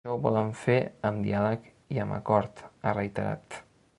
Això ho volem fer amb diàleg i amb acord, ha reiterat.